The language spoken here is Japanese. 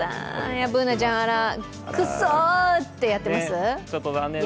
Ｂｏｏｎａちゃん、あら、くっそってやってます？